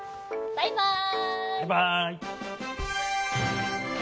バイバイ。